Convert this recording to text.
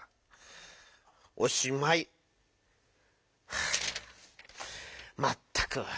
はあまったく！